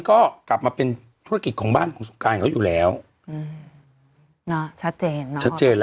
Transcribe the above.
ก็กลับมาเป็นธุรกิจของบ้านของสงการเขาอยู่แล้วอืมเนอะชัดเจนเนอะชัดเจนแล้ว